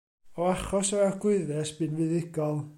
O achos yr arglwyddes bu'n fuddugol.